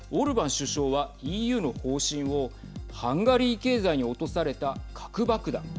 首相はＥＵの方針をハンガリー経済に落とされた核爆弾。